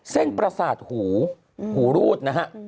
เส้นประสาทหูหูรูดนะครับ